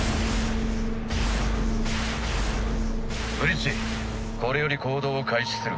ブリッジこれより行動を開始する。